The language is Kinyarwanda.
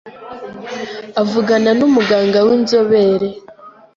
avugana n’umuganga w’inzobere